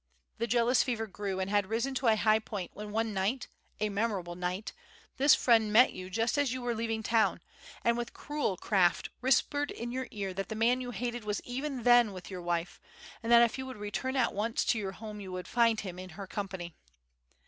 The jealous fever grew and had risen to a high point when one night a memorable night this friend met you just as you were leaving town, and with cruel craft whispered in your ear that the man you hated was even then with your wife and that if you would return at once to your home you would find him in her company.